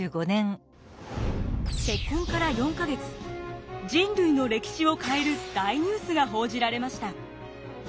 結婚から４か月人類の歴史を変える大ニュースが報じられました。